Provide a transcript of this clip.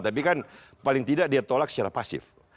tapi kan paling tidak dia tolak secara pasif